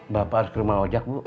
bapak harus ke rumah ojek bu